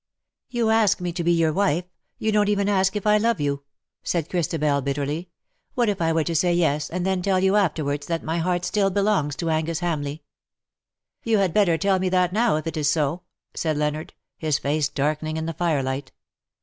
""" You ask me to be your wife ; you don't even ask if I love you/' said Christabel, bitterly. ^^ What if I were to say yes_, and then tell you afterwards that my heart still belongs to Angus Hamleigh.'' ^' You had better tell me that now, if it is so/' said Leonard, his face darkening in the firelight.